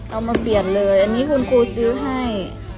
เอามาเปลี่ยนเลยอันนี้คุณครูซื้อให้